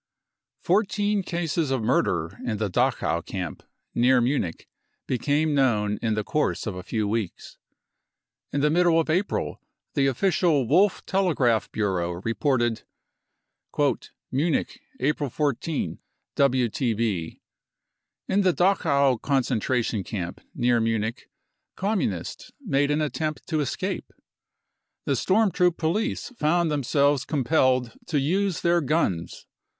Fourteen cases of murder in the Dachau camp, near Munich, became known in the course of a few weeks. 121 the middle of, April the official Wolff Telegraph Bureau reported : fifi Munich, April 14 (WTB.). In the Dachau concentra tion camp, near Munich, Communists made an attempt to escape. The Storm Troop police found themselves compelled to use their guns.